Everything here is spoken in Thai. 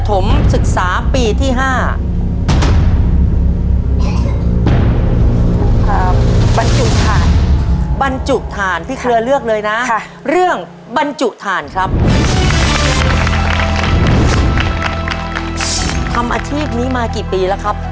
ทำอาชีพนี้มากี่ปีแล้วครับ